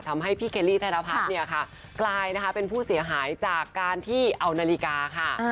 ทำให้พี่เคลลี่ธนพัฒน์เนี่ยค่ะกลายนะคะเป็นผู้เสียหายจากการที่เอานาฬิกาค่ะ